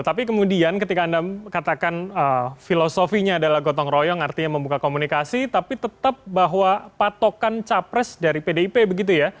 tapi kemudian ketika anda katakan filosofinya adalah gotong royong artinya membuka komunikasi tapi tetap bahwa patokan capres dari pdip begitu ya